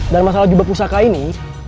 dan masalah jubah pusaka ini